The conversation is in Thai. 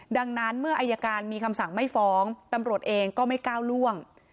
ดังนั้นเมื่ออายการมีคำสั่งไม่ฟ้องตำรวจเองก็ไม่ก้าวล่วง